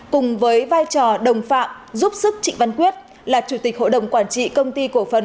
cùng với vai trò đồng phạm giúp sức trịnh văn quyết là chủ tịch hội đồng quản trị công ty cổ phần